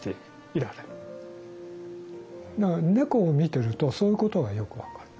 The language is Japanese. だから猫を見てるとそういうことがよく分かる。